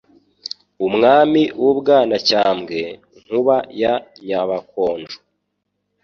umwami w'u Bwanacyambwe Nkuba ya Nyabakonjo